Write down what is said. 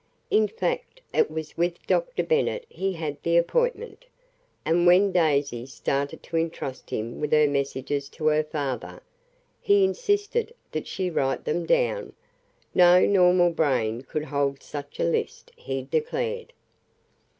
In fact, it was with Dr. Bennet he had the appointment; and when Daisy started to entrust him with her messages to her father, he insisted that she write them down no normal brain could hold such a list, he declared.